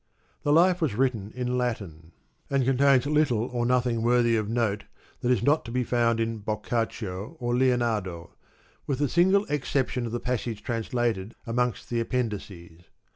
The Life is written in Latin, and contains little or nothing worthy of note that is not to be found in Boccaccio or Lionardo, with the single exception of the passage translated amongst the Appendices.